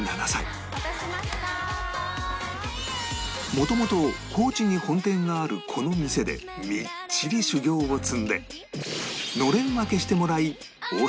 元々高知に本店があるこの店でみっちり修業を積んで